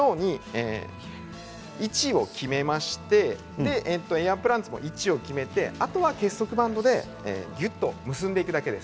位置を決めましてエアプランツも位置を決めてあとは結束バンドで結んでいくだけです。